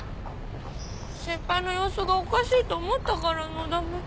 先輩の様子がおかしいと思ったからのだめ。